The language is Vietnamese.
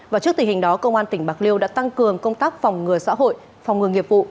và trước tình hình đó công an tp hcm đã tăng cường công tác phòng ngừa xã hội phòng ngừa nghiệp vụ